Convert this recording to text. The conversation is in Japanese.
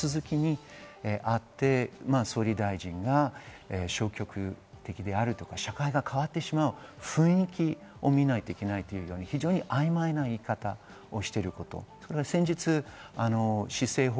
それが全部、私は一つ地続きにあって、総理大臣が消極的であるとか、社会が変わってしまう雰囲気を見ないといけないという非常に曖昧な言い方をしていること。